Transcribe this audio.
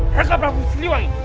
rai cakarani si rai